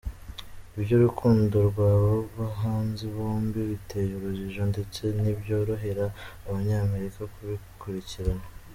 Iby’urukundo rw’aba bahanzi bombi biteye urujijo ndetse ntibyorohera abanyamakuru kubikurikirana.